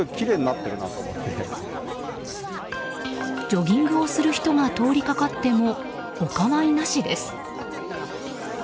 ジョギングをする人が通りかかってもお構いなしです。